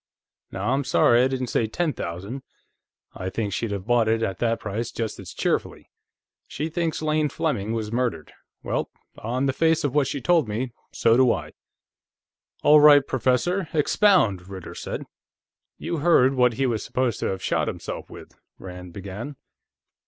Now I'm sorry I didn't say ten thousand; I think she'd have bought it at that price just as cheerfully. She thinks Lane Fleming was murdered. Well, on the face of what she told me, so do I." "All right, Professor; expound," Ritter said. "You heard what he was supposed to have shot himself with," Rand began.